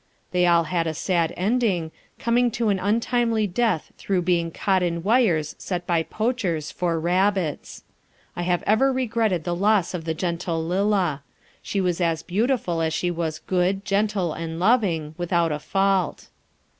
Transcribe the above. They all had a sad ending, coming to an untimely death through being caught in wires set by poachers for rabbits. I have ever regretted the loss of the gentle Lillah. She was as beautiful as she was good, gentle, and loving, without a fault.